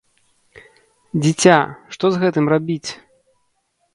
Дзіця, што з гэтым рабіць?